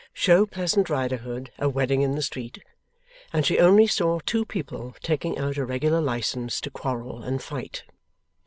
Show Pleasant Riderhood a Wedding in the street, and she only saw two people taking out a regular licence to quarrel and fight.